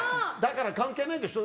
関係ないでしょ。